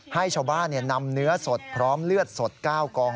ให้ชาวบ้านนำเนื้อสดพร้อมเลือดสด๙กอง